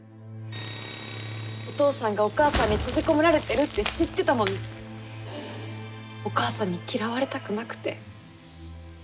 お父さんがお母さんに閉じ込められてるって知ってたのにお母さんに嫌われたくなくて。